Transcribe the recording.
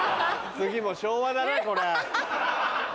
次も昭和だなこれ。